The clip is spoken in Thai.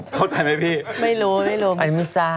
เข้าใจไหมพี่ไม่รู้ไม่รู้ไม่รู้ไม่รู้สาว